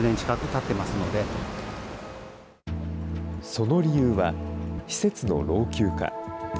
その理由は、施設の老朽化。